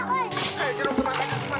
pak pak woi